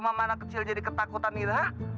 emang anak kecil jadi ketakutan gitu ha